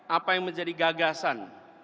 apa yang menjadi gagasan